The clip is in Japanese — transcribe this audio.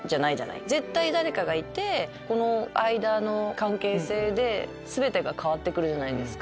絶対誰かがいてこの間の関係性で全てが変わってくるじゃないですか。